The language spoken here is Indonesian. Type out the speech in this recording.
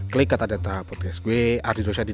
klik kata data podcast gue ardi dursyadi